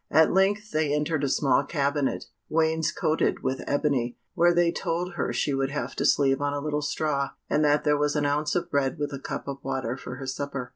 At length they entered a small cabinet, wainscoted with ebony, where they told her she would have to sleep on a little straw, and that there was an ounce of bread with a cup of water for her supper.